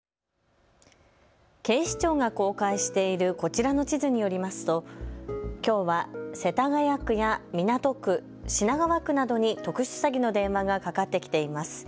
警視庁が公開しているこちらの地図によりますときょうは世田谷区や港区、品川区などに特殊詐欺の電話がかかってきています。